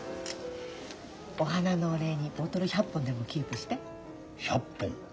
お花のお礼にボトル１００本でもキープして！